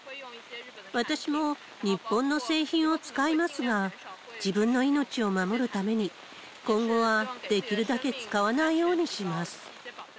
私も日本の製品を使いますが、自分の命を守るために、今後はできるだけ使わないようにします。